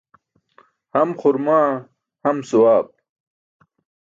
Ham xurmaa, ham sawaab.